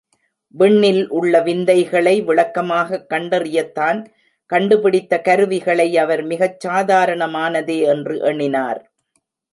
விண்ணில் உள்ள விந்தைகளை விளக்கமாகக் கண்டறிய தான் கண்டுபிடித்தக்கருவிகளை அவர் மிகச்சாதாரணமானதே என்று எண்ணினார்.